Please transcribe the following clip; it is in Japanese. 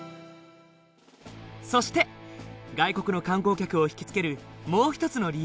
そして外国の観光客を引き付けるもう一つの理由